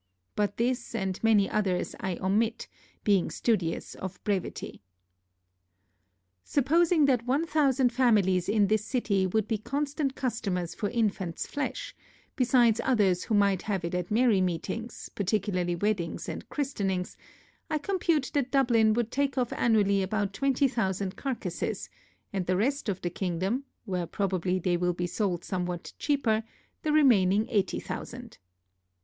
But this, and many others, I omit, being studious of brevity. Supposing that one thousand families in this city, would be constant customers for infants flesh, besides others who might have it at merry meetings, particularly at weddings and christenings, I compute that Dublin would take off annually about twenty thousand carcasses; and the rest of the kingdom (where probably they will be sold somewhat cheaper) the remaining eighty thousand.